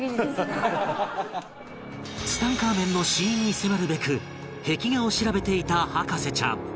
ツタンカーメンの死因に迫るべく壁画を調べていた博士ちゃん